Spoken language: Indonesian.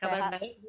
kabar baik bu